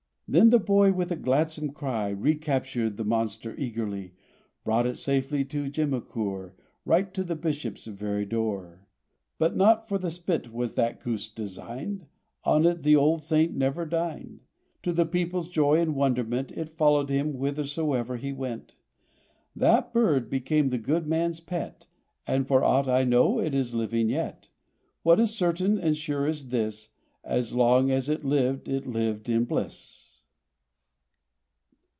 Then the boy with a gladsome cry Re captured the monster eagerly: Brought it safely to Gernicour, Right to the Bishop's very door. But not for the spit was that goose designed ; On it the old Saint never dined ; To the people's joy and wonderment It followed him whithersoever he went. That bird became the good man's pet, And for aught I know it is living yet : What is certain and sure is this — As long as it lived it lived in bliss.